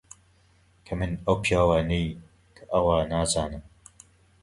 کەمن ئەو پیاوانەی کە ئەوە نازانن.